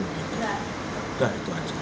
udah itu aja